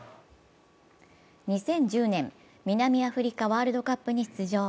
２０１０年、南アフリカ・ワールドカップに出場。